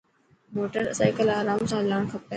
موٽر سائڪل آرام سان هلاڻ کپي.